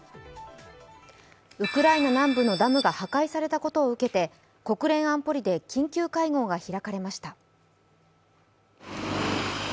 ウクライナ南部のダムが破壊されたことを受けて、国連安保理で緊急会合が開かれました。